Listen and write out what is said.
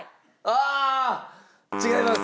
違います。